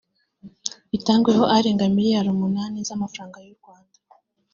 itangweho arenga miliyari umunani z’amafaranga y’u Rwanda